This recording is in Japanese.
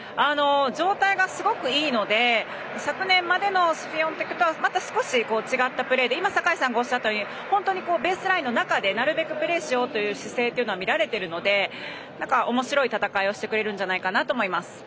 状態がすごくいいので昨年までのシフィオンテクとはまた少し違ったプレーで今、坂井さんがおっしゃったように本当にベースラインの中でなるべくプレーしようという姿勢が見られているのでおもしろい戦いをしてくれると思います。